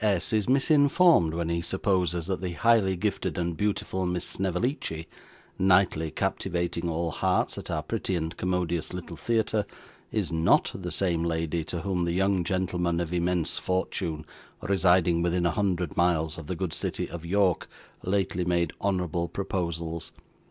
S. is misinformed when he supposes that the highly gifted and beautiful Miss Snevellicci, nightly captivating all hearts at our pretty and commodious little theatre, is NOT the same lady to whom the young gentleman of immense fortune, residing within a hundred miles of the good city of York, lately made honourable proposals.